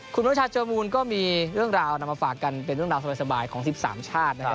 คุณประชาเจอมูลก็มีเรื่องราวนำมาฝากกันเป็นเรื่องราวสบายของ๑๓ชาตินะครับ